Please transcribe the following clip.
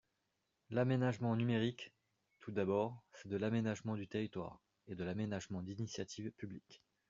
L’aménagement numérique, tout d’abord, c’est de l’aménagement du territoire, et de l’aménagement d’initiative publique.